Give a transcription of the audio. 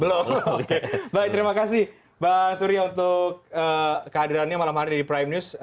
belum oke baik terima kasih bang surya untuk kehadirannya malam hari ini di prime news